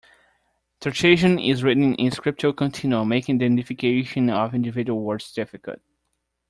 Tartessian is written in "scriptio continua," making the identification of individual words difficult.